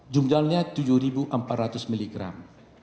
jumlahnya tujuh empat ratus miligram